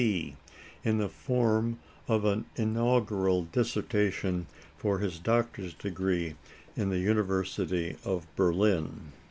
See, in the form of an Inaugural Dissertation for his doctor's degree in the University of Berlin.